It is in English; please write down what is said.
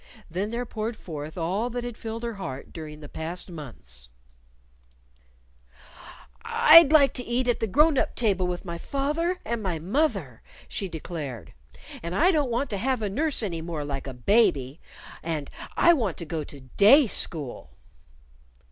Then there poured forth all that had filled her heart during the past months: "I'd like to eat at the grown up table with my fath er and my moth er," she declared; "and I don't want to have a nurse any more like a baby! and I want to go to day school."